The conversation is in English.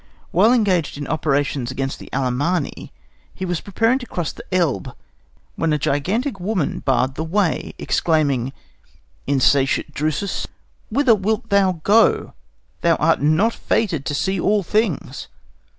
While engaged in operations against the Alemanni, he was preparing to cross the Elbe, when a gigantic woman barred the way, exclaiming, "Insatiate Drusus, whither wilt thou go? Thou art not fated to see all things.